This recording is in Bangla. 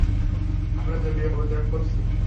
আমরা জরুরি অবতরণ করছি।